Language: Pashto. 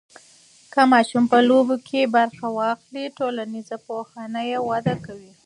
که ماشوم په لوبو کې برخه واخلي، ټولنیز پوهه یې وده کوي.